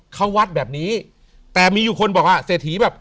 เขาวัดแบบนี้แต่มีอยู่คนบอกว่าเศรษฐีแบบ